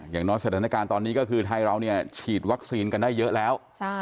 อย่างน้อยสถานการณ์ตอนนี้ก็คือไทยเราเนี่ยฉีดวัคซีนกันได้เยอะแล้ว